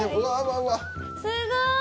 すごーい！